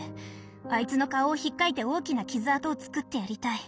あいつの顔をひっかいて大きな傷痕をつくってやりたい。